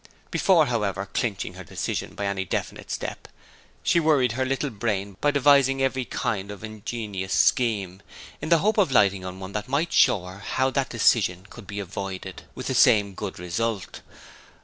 Before, however, clinching her decision by any definite step she worried her little brain by devising every kind of ingenious scheme, in the hope of lighting on one that might show her how that decision could be avoided with the same good result.